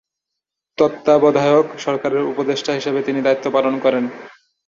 তত্ত্বাবধায়ক সরকারের উপদেষ্টা হিসেবে তিনি দায়িত্ব পালন করেন।